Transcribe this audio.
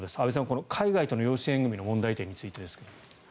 この海外との養子縁組の問題点についてですが。